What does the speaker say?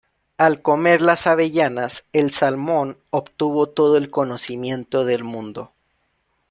Al comer las avellanas, el salmón obtuvo todo el conocimiento del mundo.